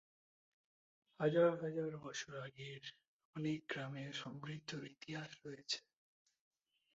হাজার হাজার বছর আগের অনেক গ্রামের সমৃদ্ধ ইতিহাস রয়েছে।